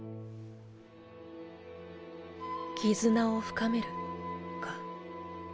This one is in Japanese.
絆を深めるか。